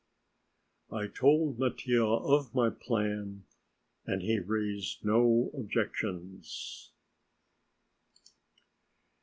I told Mattia of my plan and he raised no objections.